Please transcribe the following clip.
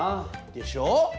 でしょ？